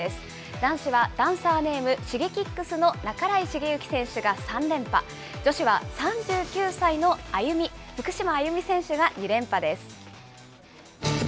男子はダンサーネーム、Ｓｈｉｇｅｋｉｘの半井重幸選手が３連覇、女子は３９歳のＡＹＵＭＩ、福島あゆみ選手が２連覇です。